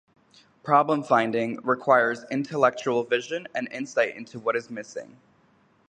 Problem finding requires intellectual vision and insight into what is missing.